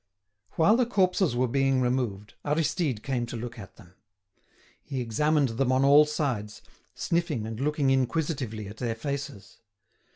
While the corpses were being removed, Aristide came to look at them. He examined them on all sides, sniffing and looking inquisitively at their faces.